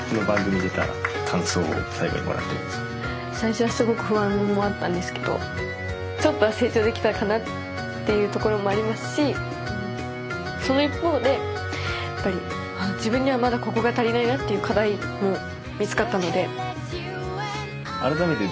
最初はすごく不安もあったんですけどちょっとは成長できたかなっていうところもありますしその一方でやっぱり自分にはまだここが足りないなっていう課題も見つかったので。